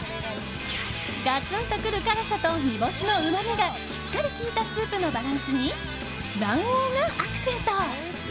ガツンとくる辛さと煮干しのうまみがしっかり効いたスープのバランスに卵黄がアクセント。